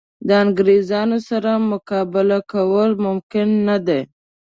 د انګرېزانو سره مقابله کول ممکن نه دي.